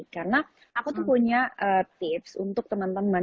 karena aku tuh punya tips untuk teman teman